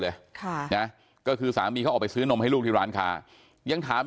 เลยค่ะนะก็คือสามีเขาออกไปซื้อนมให้ลูกที่ร้านค้ายังถาม